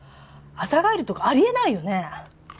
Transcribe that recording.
朝帰りとかありえないよね？